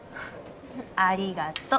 ありがとう。